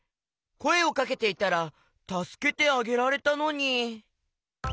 こえをかけていたらたすけてあげられたのに。